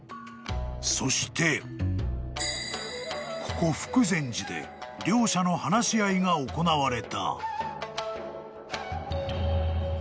［そしてここ福禅寺で両者の話し合いが行われた］